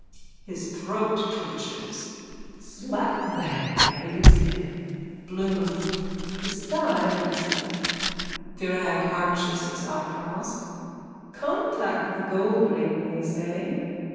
(His throat twitches.) Slapbang! There he goes again. BLOOM: The stye I dislike. VIRAG: (Arches his eyebrows.) Contact with a goldring, they say.